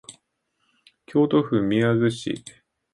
京都府宮津市